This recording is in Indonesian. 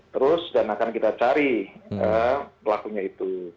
terus dan akan kita cari pelakunya itu